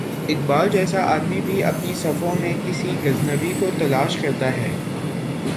اقبال جیسا آدمی بھی اپنی صفوں میں کسی غزنوی کو تلاش کرتا ہے۔